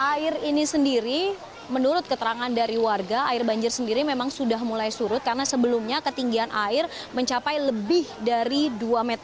air ini sendiri menurut keterangan dari warga air banjir sendiri memang sudah mulai surut karena sebelumnya ketinggian air mencapai lebih dari dua meter